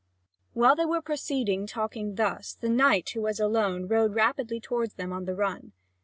While they were proceeding, talking thus, the knight, who was alone, rode rapidly toward them on the run.